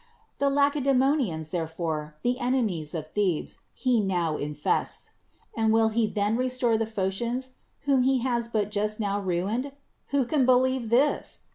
The Lace da?monians, therefore, the enemies of Thebes, he now infests. And will he then restore the Phocians, whom he has but just now ruined? "Who can believe this?